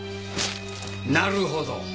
なるほど。